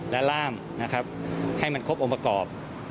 แต่ภายหลังได้รับแจ้งว่ากำลังจะแต่งงาน